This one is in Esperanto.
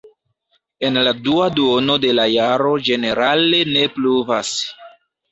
En la dua duono de la jaro ĝenerale ne pluvas.